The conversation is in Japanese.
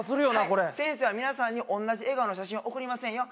これ先生は皆さんに同じ笑顔の写真送りませんよ